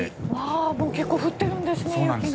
もう結構降ってるんですね雪が。